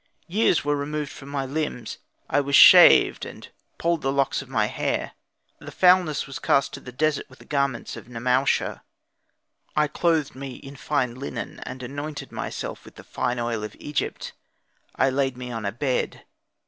Years were removed from my limbs: I was shaved, and polled my locks of hair; the foulness was cast to the desert with the garments of the Nemau sha. I clothed me in fine linen, and anointed myself with the fine oil of Egypt; I laid me on a bed.